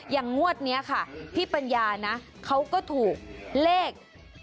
อย่างงวดนี้ค่ะพี่ปัญญานะเขาก็ถูกเลข๒๔๓๘๖๒